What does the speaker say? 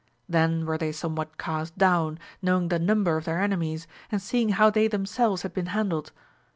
Then were they somewhat cast down, knowing the number of their enemies, and seeing how they themselves had been handled.